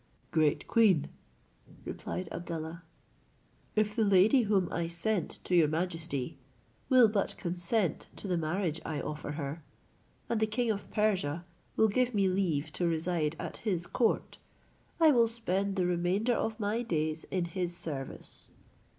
"Great queen," replied Abdallah, "if the lady whom I sent to your majesty will but consent to the marriage I offer her, and the king of Persia will give me leave to reside at his court, I will spend the remainder of my days in his service."